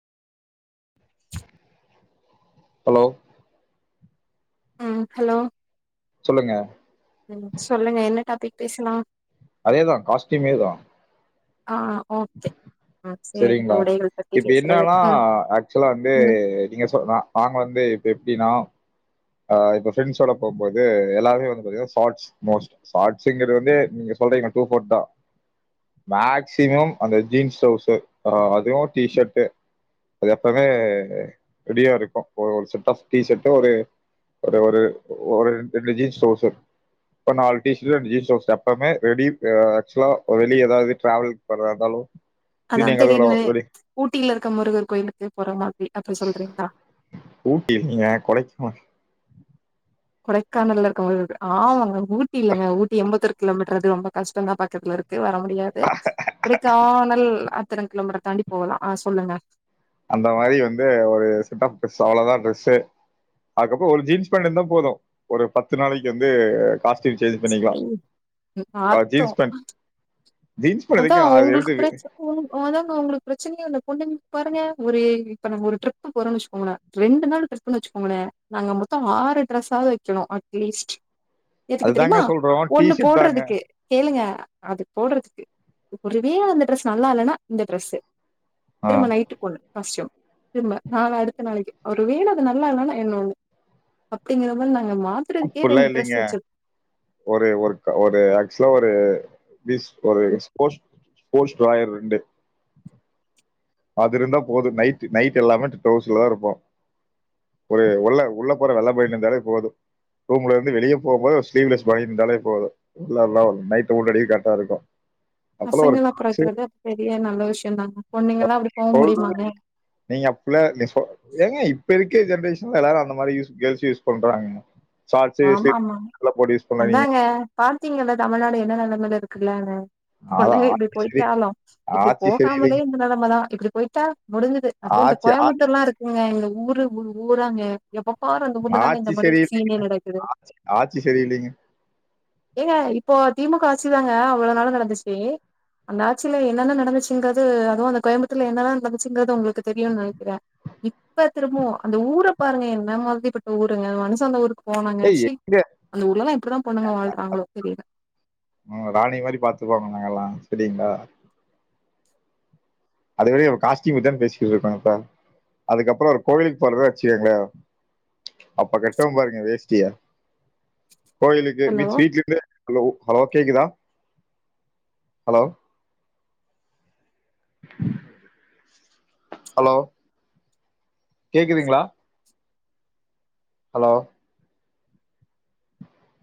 Hello ம் hello சொல்லுங்க ம் சொல்லுங்க என்ன டாபிக் பேசலா அதேதா காஸ்டியூமே தா ஆ ஓகே ம் சரி இந்த சேரிங்களா உடைகள் பத்தி இப்ப பேசுறது என்னன்னா ம் ஆக்சுவலா வந்து ம் நீங்க சொல் நா நாங்க வந்து இப்ப எப்டின்னா ஆ இப்ப ஃப்ரண்ட்ஸோட போம் போது எல்லருமே வந்து பாத்தீங்கன்னா சாட்ஸ் மோஸ்ட் ஷார்ட்ஸ்ங்கறது வந்து நீங்க சொல்றீங்க டூஃபோர்ட் தா மேக்சிமம் அந்த ஜீன்ஸ் டிரவுசர் அதுவு டிஷர்ட்டு அது எப்பமே ரெடியா இருக்கு ஒரு செட் ஆஃப் டீ சர்ட் ஒரு அ ஒரு ஒரு ரெண்டு ஜீன்ஸ் டிரவுசர் இப்ப நாலு டிஷர்ட் ஜீன்ஸ்ஸோஸ் எப்பமே ரெடி ஆக்சுவலா வெளிய ஏதாவது டிராவல் படுற இருந்தாலு அதா திருட்டு என் கதவுல தெரியுமே வெளி ஊட்டியில இருக்க முருகர் கோயிலுக்கே போற மாதிரி அப்டி சொல்றீங்களா ஊட்டியில்லைங்க கொடைக்கானல் கொடைக்கானல்ல இருக்கறவங்களுக்கு ஆமாங்க ஊட்டி இல்லங்க ஊட்டி எண்பத்தொரு கிலோமீட்டர் அது ரொம்போ கஷ்டோ தா பாக்கத்துல இருக் க்கு வர முடியாது இப்புடி கானல் அத்திரோ கிலோமீட்டர் தாண்டி போகலா ஆ சொல்லுங்க அந்த மாரி வந்து ஒரு செட் ஆஃப் ட்ரெஸ் அவ்வளோதா டிரெஸே அதுக்கப்பறோ ஒரு ஜீன்ஸ் பேண்ட் இருந்தா போது ஒரு பத்து நாளைக்கி வந்து காஸ்ட்யூம் சேஞ்ச் பண்ணிக்கலா சரி அ நாத்தோ ஜீன்ஸ் பேண்ட் ஜீன்ஸ் பேண்ட் அதா எதுக்கு அத உங்களுக்கு எடுத்து [unintelligible] அதாங்க உங்களுக்கு பிரச்சனையே இல்ல பொண்ணுங் பாருங்க ஒரே இப்ப நாங்க ஒரு ட்ரிப் போறோம் வச்சுக்கோங்களே ரெண்டு நாள் ட்ரிப்புனு வச்சுக்கோங்களே நாங்க மொத்தோ ஆறு டிரெஸ்ஸாவது வைக்கணு லீஸ்ட்டு எதுக்கு அதுதாங்க தெரியுமா சொல்றோ டீ ஒண்ணு ஷர்ட் தாங்க போடுறதுக்கு கேளுங்க அது போடறதுக்கு ஒருவே அந்த டிரரெஸ் நல்லா இல்லன்னா இந்த டிரரெஸ்சு ஆ திரும்ப நைட்டுக்கு ஒண்ணு காஸ்ட்யூம் திரும்ப நாளை அடுத்த நாளைக்கு ஒரு வேள அது நல்லா இல்லன்னா இன்னொண்ணு அப்டிங்கற மாரி நாங்க மாத் அப்புல்லா இல்லங்க ஒரு ஒரு ஒரு ஆக்சுவலா ஒரு பீஸ் ஒரு ஸ்போர்ட்ஸ் ஸ்போர்ட்ஸ் டிராயர் ரெண்டு அது இருந்தா போது நைட்டு நைட்டு எல்லாமே டிரவுசர்லதா இருப்போ ஒரு ஒள்ள உள்ள போடற வெள்ள பனியன் இருந்தாலே போது ரூம்ல இருந்து வெளிய போபோது ஒரு ஸ்லீவுலெஸ் பனியன் இருந்தாலே போது உள்ளலா ஒரு நைட் உள்ளாடியே கரெடா இருக்கு அப்பல்லா ஒரு பசங்களா கா சே பொறக்குறது அது பெரிய நல்ல விஷயோ தாங்க பொண்ணுங்க எல்லா அப்புடி போ சொல்றது முடியுமாங்க நீங்க அப்பேல்ல நீ சொல் ஏங்க இப்ப இருக்கிற ஜென்ரேஷன்ல எல்லாரு அந்த மாரி யூஸ் கேர்ள்ஸ் யூஸ் பண்றாங்க சாட்ஸ்சு ஆமாமா சிலிப்யெல்லா போட்டு யூஸ் பண்ணாதீங்க அதாங்க பாத்தீங்கல்ல தமிழ்நாடு என்ன நிலமையில இருக்குலேனு அதான் பொண்ணுங்க இப்புடி ஆட்சி சரி போயிட்டாலு இப்புடி ஆட்சி போகாமலே சரியில்லைங்க. இந்த நிலம தா இப்புடி போய்ட்டா முடிஞ்சது அப்போவு இந்த ஆட்சி ஆ கோயம்புத்துர்லா இருக் ஏங்க இந்த ஊரு ஊராங்க எப்ப பாரு அந்த ஊர்ல தாங்க இந்த மாரி சரியில்ல சீனினே நடக் ஆட்சி ஆட்சி செரியில்லைங்க ஏங்க இப்போ திமுக ஆட்சுதாங்க அவ்ளோ நாளா நடந்துச்சு அந்த ஆட்சியில என்னென்னா நடந்துச்சுங்குன்றது அதுவு அந்த கோயம்பத்தார்ல என்னென்னா நடந்துச்சுங்குறது உங்குளுக் த் தெரியுனு நெனைக்கிற இப்பத் திரும்ப அந்த ஊரை பாருங்க என்ன மாதிரிப்பட்ட ஊருங்க மனுச அந்த ஊருக்கு போனங்க ஏய் சி எங்க அந்த ஊர்ல எல்லா எப்புடிதா பொண்ணுங்க வாழ்றாங்களோ தெரில உங்கள் ராணி மாரி பாத்துப்போங்க நாங்கலா சேரிங்களா அதுவே காஸ்டயூம தா பேசிக்கிட்டு இருக்காங்கப்பா அதுக்கப்புறோ ஒரு கோவிலுக்கு போறோ வச்சுக்காங்களே அப்ப கட்டுவ பாருங்க வேஷ்ட்டிய கோயிலுக்கு ஹலோ மீன்ஸ் வீட்ல இருந்தே ஹலோ ஹலோ கேக்குதா ஹலோ [inaudible] ஹலோ கேக்குதுங்களா ஹலோ